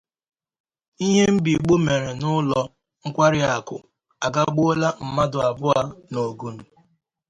Ihe Mbigbo Mere n'Ụlọ Nkwariakụ Agagbuola Mmadụ Abụọ n'Ogun